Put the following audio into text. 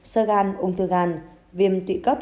sơ gan ung thư gan viêm tụy cấp